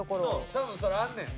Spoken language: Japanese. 多分それあんねん。